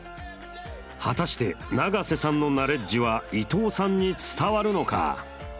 果たして永瀬さんのナレッジは伊藤さんに伝わるのか？